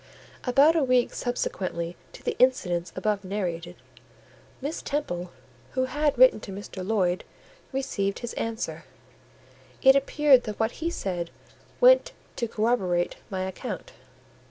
About a week subsequently to the incidents above narrated, Miss Temple, who had written to Mr. Lloyd, received his answer: it appeared that what he said went to corroborate my account.